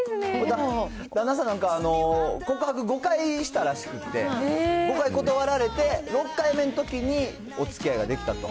旦那さん、なんか、告白、５回したらしくて、５回断られて、６回目のときにおつきあいができたと。